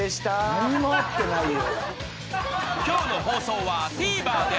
何も合ってないよ。